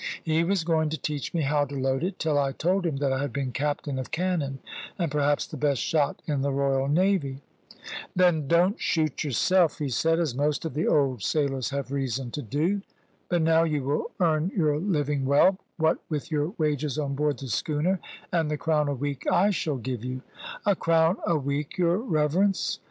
He was going to teach me how to load it, till I told him that I had been captain of cannon, and perhaps the best shot in the royal navy. "Then don't shoot yourself," he said, "as most of the old sailors have reason to do. But now you will earn your living well, what with your wages on board the schooner and the crown a week I shall give you." "A crown a week, your reverence!"